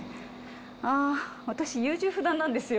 ああ私優柔不断なんですよ。